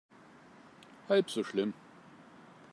Halb so schlimm.